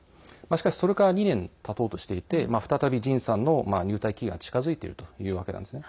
しかし、それから２年たとうとしていて再びＪＩＮさんの入隊期限が近づいているというわけなんです。